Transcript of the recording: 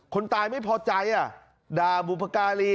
คนตายไม่พอใจด่าบุพการี